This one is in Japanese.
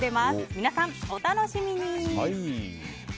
皆さん、お楽しみに。